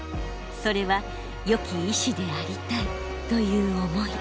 それはよき医師でありたいという思い。